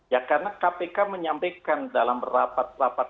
ya karena kpk menyampaikan dalam rapat rapat